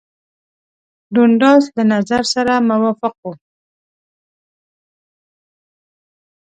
دونډاس له نظر سره موافق وو.